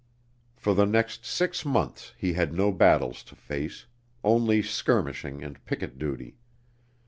For the next six months he had no battles to face only skirmishing and picket duty.